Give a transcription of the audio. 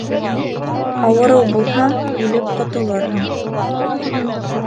Ауырыу булһаң, үлеп ҡотолорһоң.